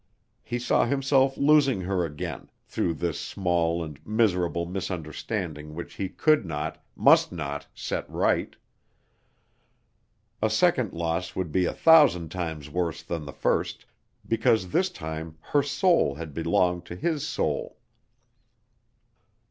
He saw himself losing her again, through this small and miserable misunderstanding which he could not, must not, set right. A second loss would be a thousand times worse than the first, because this time her soul had belonged to his soul.